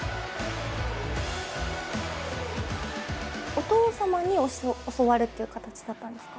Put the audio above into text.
お父様に教わるっていう形だったんですか？